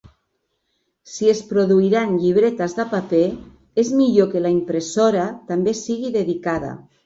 Si es produiran llibretes de paper, és millor que la impressora també sigui dedicada.